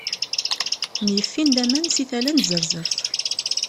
Myeffin-d aman si tala n tzerzert.